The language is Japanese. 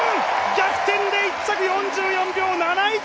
逆転で１着４４秒７１。